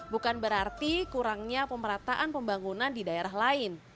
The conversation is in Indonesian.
bukan berarti kurangnya pemerataan pembangunan di daerah lain